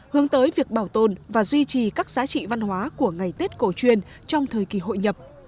hướng tới việc bảo tồn và duy trì các giá trị văn hóa của ngày tết cổ truyền trong thời kỳ hội nhập